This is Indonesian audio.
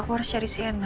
aku harus cari si ena